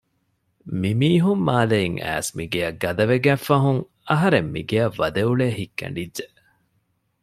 މިމީހުން މާލެއިން އައިސް މިގެޔަށް ގަދަވެގަތް ފަހުން އަހަރެން މިގެޔަށް ވަދެއުޅޭ ހިތް ކެނޑިއްޖެ